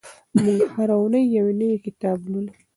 موږ هره اونۍ یو نوی کتاب لولو.